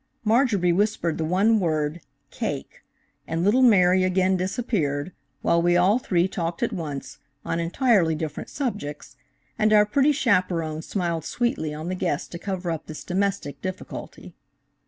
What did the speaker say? Marjorie whispered the one word "cake," and little Mary again disappeared, while we all three talked at once, on entirely different subjects, and our pretty chaperone smiled sweetly on the guests to cover up this domestic difficulty.